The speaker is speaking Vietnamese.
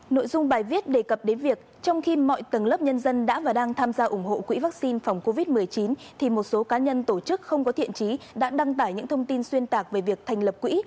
nội dung bài viết đề cập đến việc trong khi mọi tầng lớp nhân dân đã và đang tham gia ủng hộ quỹ vaccine phòng covid một mươi chín thì một số cá nhân tổ chức không có thiện trí đã đăng tải những thông tin xuyên tạc về việc thành lập quỹ